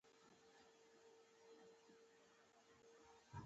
غوږونه د استاد خبرو ته خلاص وي